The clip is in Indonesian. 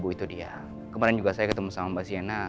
itu dia kemarin juga saya ketemu sama mbak sienna